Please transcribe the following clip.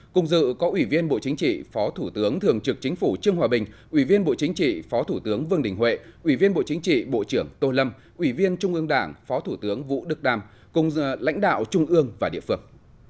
cùng dự có ủy viên bộ chính trị phó thủ tướng thường trực chính phủ trương hòa bình ủy viên bộ chính trị phó thủ tướng vương đình huệ ủy viên bộ chính trị bộ trưởng tô lâm ủy viên trung ương đảng phó thủ tướng vũ đức đam cùng lãnh đạo trung ương và địa phương